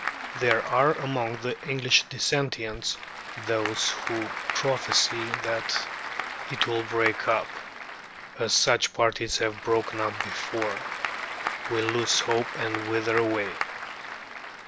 There are among the English Dissentients those who prophesy that it will break up, as such parties have broken up before will lose hope and wither away.